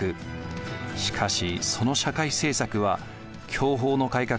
しかしその社会政策は享保の改革